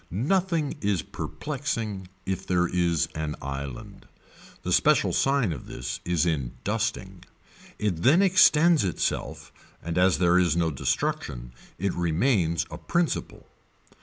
Nothing is perplexing if there is an island. The special sign of this is in dusting. It then extends itself and as there is no destruction it remains a principle.